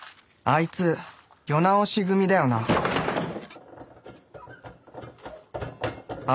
いつ世直し組だよなあ